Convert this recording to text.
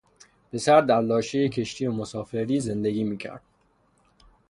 پسر در لاشهی یک کشتی مسافری زندگی می کرد.